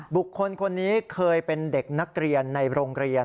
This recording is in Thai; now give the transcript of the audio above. บุคคลคนนี้เคยเป็นเด็กนักเรียนในโรงเรียน